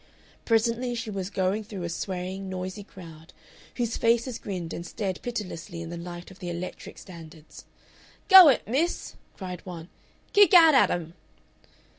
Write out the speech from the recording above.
Presently she was going through a swaying, noisy crowd, whose faces grinned and stared pitilessly in the light of the electric standards. "Go it, miss!" cried one. "Kick aht at 'em!"